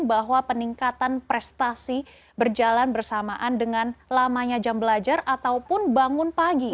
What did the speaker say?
bahwa peningkatan prestasi berjalan bersamaan dengan lamanya jam belajar ataupun bangun pagi